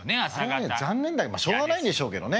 あれはね残念まあしょうがないんでしょうけどね。